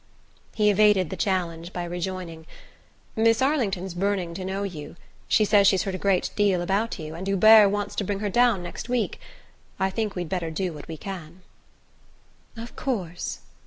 He evaded the challenge by rejoining: "Miss Arlington's burning to know you. She says she's heard a great deal about you, and Hubert wants to bring her down next week. I think we'd better do what we can." "Of course."